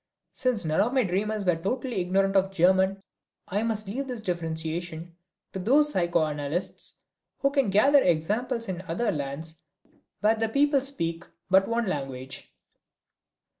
Since none of my dreamers were totally ignorant of German I must leave this differentiation to those psychoanalysts who can gather examples in other lands where the people speak but one language.